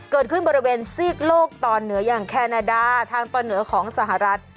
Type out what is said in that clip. เกิดขึ้นบริเวณซีกโลกตอนเหนืออย่างแคนาดาทางตอนเหนือของสหรัฐ